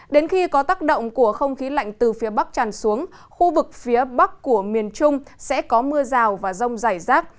đến khi có tác động của không khí lạnh từ phía bắc tràn xuống khu vực phía bắc của miền trung sẽ có mưa rào và rông dày rác